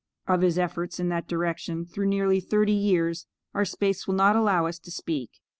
Of his efforts in that direction through nearly thirty years, our space will not allow us to speak.